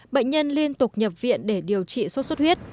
bệnh nhân liên tục nhập viện để điều trị sốt xuất huyết